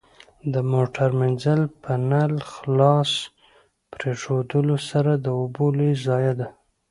د موټر مینځل په نل خلاص پرېښودلو سره د اوبو لوی ضایع ده.